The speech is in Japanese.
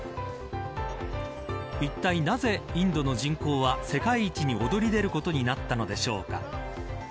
いったい、なぜインドの人口は世界一に踊り出ることになったのでしょうか。